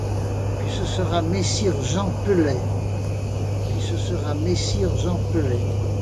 Puis ce sera messire Jean Pellet.